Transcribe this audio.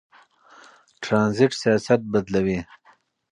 ترانزیت سیاست بدلوي.